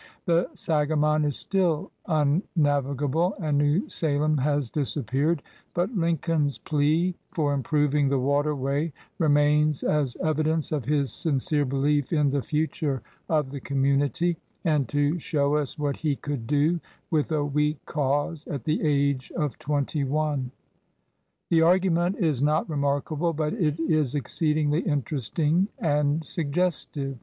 The Sangamon is still unnav igable and New Salem has disappeared, but Lin coln's plea for improving the waterway remains as evidence of his sincere belief in the future of the community and to show us what he could do with a weak cause at the age of twenty one. The argument is not remarkable, but it is ex ceedingly interesting and suggestive.